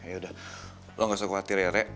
ya udah lo nggak usah khawatir ya re